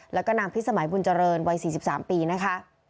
แล้วก็นางพิสมัยบุญเจริญวัย๔๓ปีนะคะ